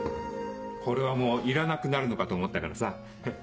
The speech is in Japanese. これはもういらなくなるのかと思ったからさ。